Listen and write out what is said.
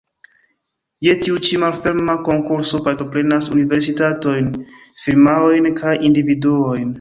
Je tiu ĉi malferma konkurso partoprenas universitatojn, firmaojn kaj individuojn.